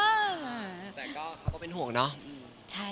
แต่ก็เขาก็เป็นห่วงเนาะ